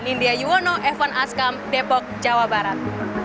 nindya yuwono evan askam depok jawa barat